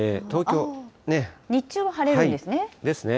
日中は晴れるんですね。